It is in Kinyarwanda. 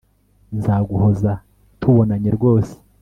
nzaguhoza tubonanye rwose